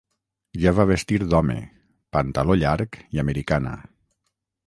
Ja va vestir d'home: pantaló llarg i americana